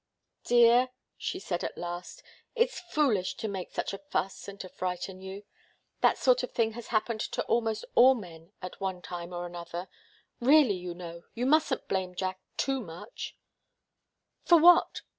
"Dear," she said at last, "it's foolish to make such a fuss and to frighten you. That sort of thing has happened to almost all men at one time or another really, you know! You mustn't blame Jack too much " "For what?